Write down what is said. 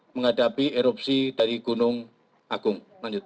menghadapi erupsi dari gunung agung